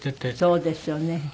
そうですよね。